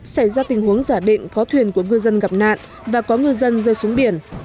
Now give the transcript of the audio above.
xảy ra tình huống giả định có thuyền của ngư dân gặp nạn và có ngư dân rơi xuống biển